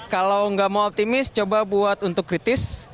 kalau nggak mau optimis coba buat untuk kritis